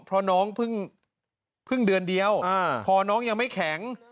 เพราะน้องเพิ่งเดือนเดียวพอน้องยังไม่แข็ง